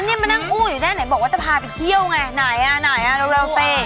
ไหนดูเรามีกำลังไป